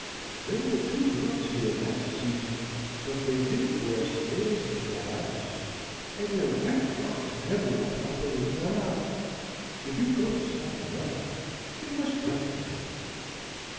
"There were two girls here last season, but they didn't wear stays in the house, and their white frocks never were properly done up. If you go to South America, you must write to me."